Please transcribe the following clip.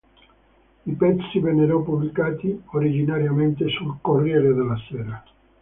I pezzi vennero pubblicati originariamente sul "Corriere della Sera".